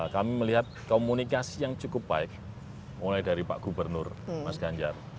kami melihat komunikasi yang cukup baik mulai dari pak gubernur mas ganjar